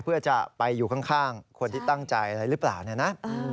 เพื่อจะไปอยู่ข้างคนที่ตั้งใจอะไรหรือเปล่าเนี่ยนะ